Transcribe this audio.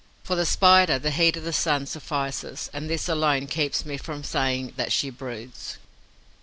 For the Spider, the heat of the sun suffices; and this alone keeps me from saying that she 'broods.'